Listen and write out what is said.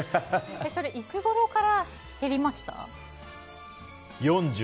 それ、いつごろから減りました？